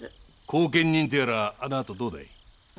後見人とやらはあのあとどうだい？